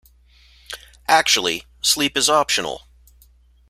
Actually, sleep is optional.